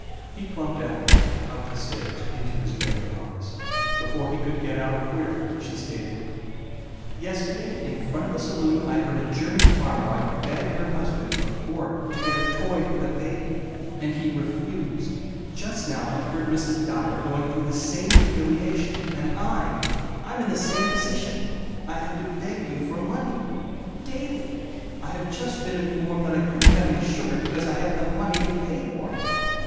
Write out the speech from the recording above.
He clumped after her, up the stairs, into his barren office. Before he could get out a query she stated: "Yesterday, in front of a saloon, I heard a German farm wife beg her husband for a quarter, to get a toy for the baby and he refused. Just now I've heard Mrs. Dyer going through the same humiliation. And I I'm in the same position! I have to beg you for money. Daily! I have just been informed that I couldn't have any sugar because I hadn't the money to pay for it!"